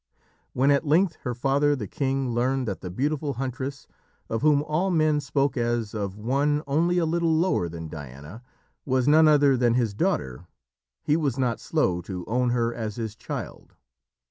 When at length her father the king learned that the beautiful huntress, of whom all men spoke as of one only a little lower than Diana, was none other than his daughter, he was not slow to own her as his child.